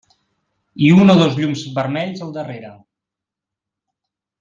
I un o dos llums vermells al darrere.